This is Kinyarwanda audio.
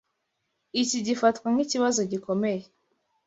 Iki gifatwa nkikibazo gikomeye.